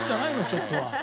ちょっとは。